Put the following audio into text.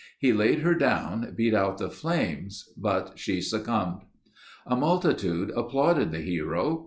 He laid her down, beat out the flames, but she succumbed. A multitude applauded the hero.